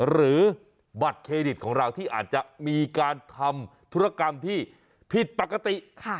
หรือบัตรเครดิตของเราที่อาจจะมีการทำธุรกรรมที่ผิดปกติ